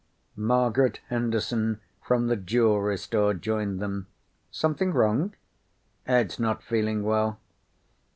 Margaret Henderson from the jewelry store joined them. "Something wrong?" "Ed's not feeling well."